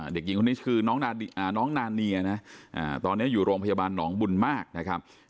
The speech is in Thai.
เด็กหญิงคนนี้คือน้องนาเนียนะตอนนี้อยู่โรงพยาบาลหนองบุญมากนะครับ